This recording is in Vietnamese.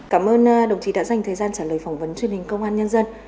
cảm ơn đồng chí đã dành thời gian trả lời phỏng vấn truyền hình công an nhân dân